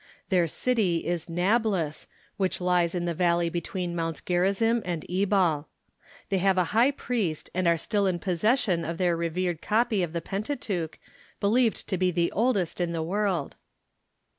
Their city is Nablus, which lies in the valley between Mounts Gerizim and Ebal. They have a high priest, and are still in possession of their revered copy of the Pentateuch, believed to be the oldest in the world.